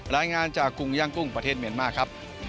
รายงานจากกุ้งย่างกุ้งประเทศเมนมา